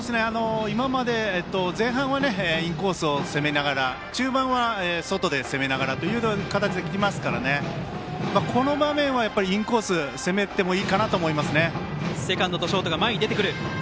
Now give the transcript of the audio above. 今まで前半はインコースを攻めながら中盤は外で攻めながらという形で来てますからこの場面はインコース攻めてもいいかなと思いますね。